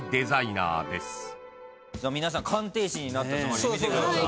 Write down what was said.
皆さん鑑定士になったつもりで見てください。